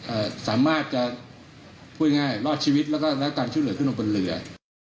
สามารถจะพูดง่ายรอดชีวิตแล้วก็รับการช่วยเหลือขึ้นลงบนเรือ